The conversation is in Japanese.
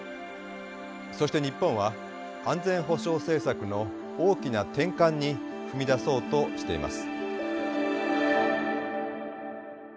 そして日本は安全保障政策の大きな転換に踏み出そうとしています。